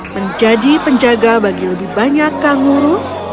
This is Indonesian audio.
menjadi penjaga bagi lebih banyak kanguru